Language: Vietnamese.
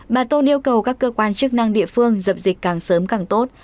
bà tôn yêu cầu các cơ quan chức năng địa phương dập dịch càng sớm càng tốt